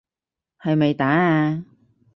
係咪打啊？